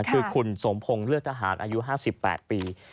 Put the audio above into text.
คือคุณสมพงศ์เลือดทหารอายุ๕๘ปี